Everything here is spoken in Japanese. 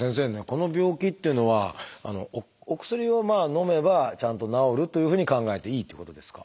この病気っていうのはお薬をのめばちゃんと治るというふうに考えていいっていうことですか？